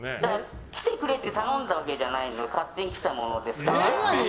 来てくれって頼んだわけじゃなくて勝手に来たものですから。